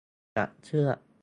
ตัดเชือก